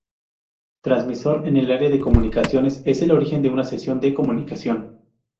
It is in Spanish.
Transmisor en el área de comunicaciones es el origen de una sesión de comunicación.